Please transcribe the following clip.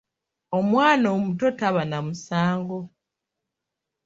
Omwana omuto taba na musango.